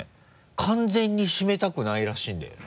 完全に閉めたくないらしいんだよね。